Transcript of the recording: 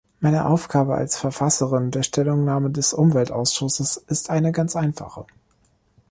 Meine Aufgabe als Verfasserin der Stellungnahme des Umweltausschusses ist eine ganz einfache.